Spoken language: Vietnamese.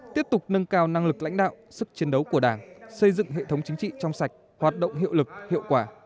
tiếp tục nâng cao năng lực lãnh đạo sức chiến đấu của đảng xây dựng hệ thống chính trị trong sạch hoạt động hiệu lực hiệu quả